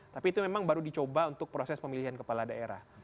tapi itu memang baru dicoba untuk proses pemilihan kepala daerah